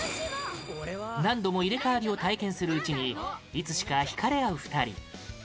何度も入れ替わりを体験するうちにいつしか引かれ合う２人